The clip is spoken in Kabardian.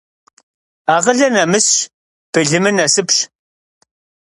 Акъылыр нэмысщ, былымыр насыпщ.